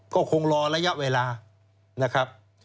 ก็คงรอระยะเวลานะครับ